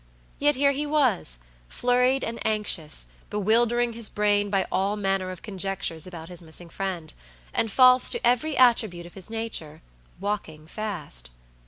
Yet here he was, flurried and anxious, bewildering his brain by all manner of conjectures about his missing friend; and false to every attribute of his nature, walking fast.